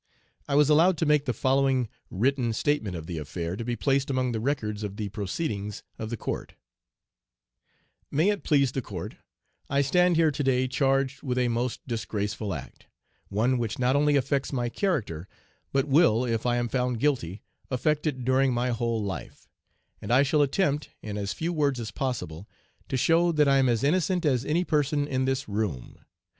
I was allowed to make the following written statement of the affair to be placed among the records of the proceedings of the court: "'May it please the court: I stand here to day charged with a most disgraceful act one which not only affects my character, but will, if I am found guilty, affect it during my whole life and I shall attempt, in as few words as possible, to show that I am as innocent as any person in this room.